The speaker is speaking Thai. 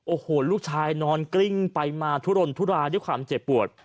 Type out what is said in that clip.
โอ้โหลูกชายนอนกลิ้งไปมาทุรนทุรายด้วยความเจ็บปวด